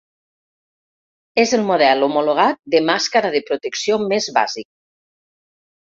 És el model homologat de màscara de protecció més bàsic.